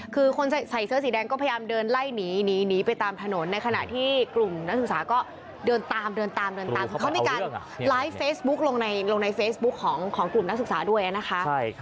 คือคนใส่เสื้อสีแดงก็พยายามเดินไล่หนีหนีไปตามถนนในขณะที่กลุ่มนักศึกษาก็เดินตามเดินตามเดินตามเขามีการไลฟ์เฟซบุ๊คลงในเฟซบุ๊คของกลุ่มนักศึกษาด้วยนะคะ